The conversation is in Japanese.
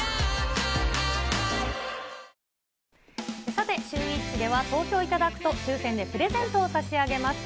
さて、シューＷｈｉｃｈでは、投票いただくと、抽せんでプレゼントを差し上げます。